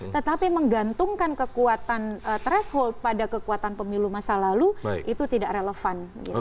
tetapi menggantungkan kekuatan threshold pada kekuatan pemilu masa lalu itu tidak relevan